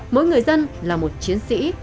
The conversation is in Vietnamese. mỗi người dân là một chiến sĩ